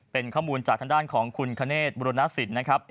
เป็นข้อมูลจากทางด้านของคุณคเนธบุรณสินนะครับ